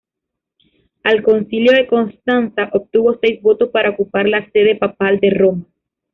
Al Concilio de Constanza obtuvo seis votos para ocupar la sede papal de Roma.